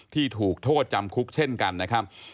ที่ถูกโทษจำคุกเช่นกันนะครับ